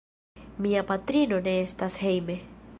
Mia patrino ne estas hejme.